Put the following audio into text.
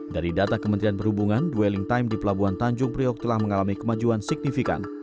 dari data kementerian perhubungan dwelling time di pelabuhan tanjung priok telah mengalami kemajuan signifikan